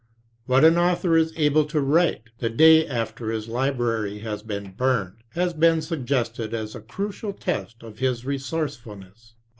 What an author is able to write the day after his library has been burned has been suggested as a crucial test of his resourcefulness.